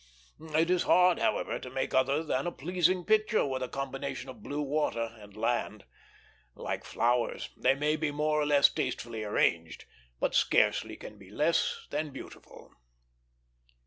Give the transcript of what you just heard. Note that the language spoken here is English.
It is hard, however, to make other than a pleasing picture with a combination of blue water and land. Like flowers, they may be more or less tastefully arranged, but scarcely can be less than beautiful.